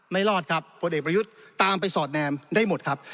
รอดครับผลเอกประยุทธ์ตามไปสอดแนมได้หมดครับ